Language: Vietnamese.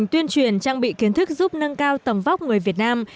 tuyên truyền trang bị kiến thức giúp nâng cao tầm vóc người việt nam